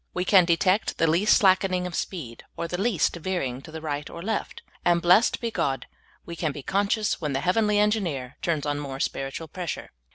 We can detect the least slackening of speed, or the least veering to the right or left ; and, blessed be God, we can be conscious when the hea^^enly Engineer turns on more spiritual pressure.